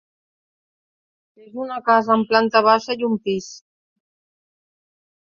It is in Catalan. És una casa amb planta baixa i un pis.